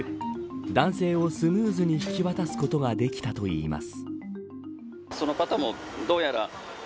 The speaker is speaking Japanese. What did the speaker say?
男性をスムーズに引き渡すことができたといいます。